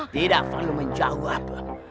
tidak perlu menjawab